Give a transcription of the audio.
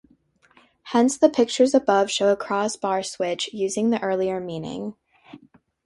Hence the pictures above show a "crossbar switch" using the earlier meaning.